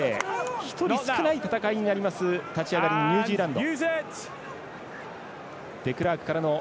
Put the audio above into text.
１人少ない戦いになります立ち上がりのニュージーランド。